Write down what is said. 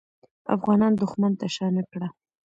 افغانان دښمن ته شا نه کړه.